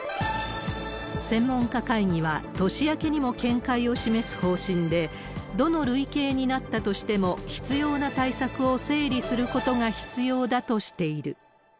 専門家会議は、年明けにも見解を示す方針で、どの類型になったとしても、必要な対策を整理することが必要だとしている。